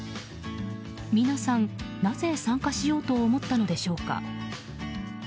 皆さん、なぜ参加しようと思ったのでしょうか。